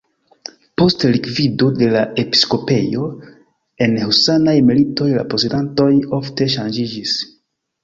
Post likvido de la episkopejo en husanaj militoj la posedantoj ofte ŝanĝiĝis.